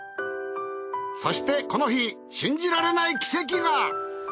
そしてこの日信じられない奇跡が！